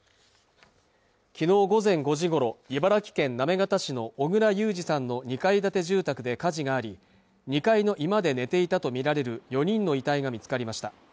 昨日午前５時ごろ茨城県行方市の小倉裕治さんの２階建て住宅で火事があり２階の居間で寝ていたとみられる４人の遺体が見つかりました